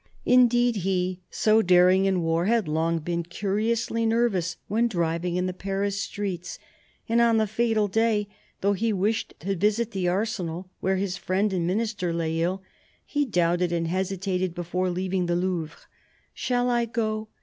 Indeed he, so daring in war, had long been curiously nervous when driving in the Paris streets; and on the fatal day, though he wished to visit the Arsenal, where his friend and Minister lay ill, he doubted and hesitated before leaving the Louvre. "Shall I go